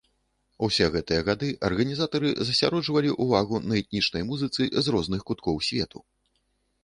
Усе гэтыя гады арганізатары засяроджвалі ўвагу на этнічнай музыцы з розных куткоў свету.